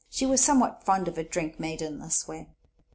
She was somewhat fond of a drink made in this way.